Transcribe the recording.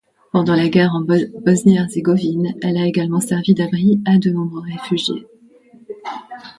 Pendant la guerre de Bosnie-Herzégovine, elle a également servi d'abri à de nombreux réfugiés.